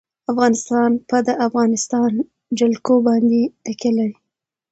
افغانستان په د افغانستان جلکو باندې تکیه لري.